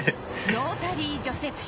ロータリ除雪車